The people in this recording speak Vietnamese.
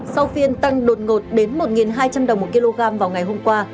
sau phiên tăng đột ngột đến một hai trăm linh đồng một kg vào ngày hôm qua